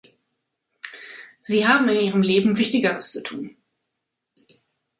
Sie haben in ihrem Leben Wichtigeres zu tun.